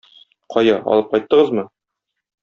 Кая, алып кайттыгызмы?